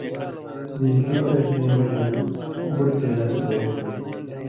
دیس دُو اڙَیں وجہۡ نہ بُٹیۡ فضا سُگائ ہُو تھی